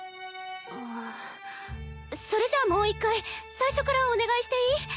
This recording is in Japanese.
うんそれじゃあもう一回最初からお願いしていい？